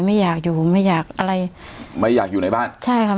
ไม่อยากอยู่ไม่อยากอะไรไม่อยากอยู่ในบ้านใช่ครับ